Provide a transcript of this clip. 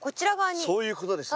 そういうことですね。